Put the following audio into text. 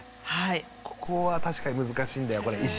ここは確かに難しいんだよこれ。